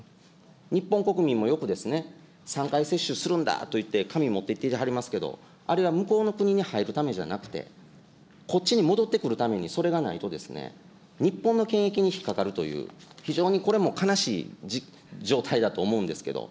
日本国民もよく３回接種するんだといって、紙持ってはりますけど、あれは向こうの国に入るためじゃなくて、こっちに戻ってくるためにそれがないとですね、日本の検疫に引っ掛かるという、非常にこれも悲しい状態だと思うんですけれども。